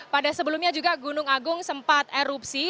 pada sebelumnya juga gunung agung sempat erupsi